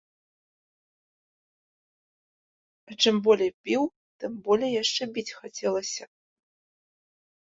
А чым болей біў, тым болей яшчэ біць хацелася.